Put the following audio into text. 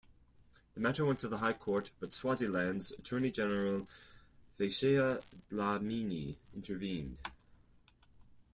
The matter went to the High Court, but Swaziland's Attorney-General Phesheya Dlamini intervened.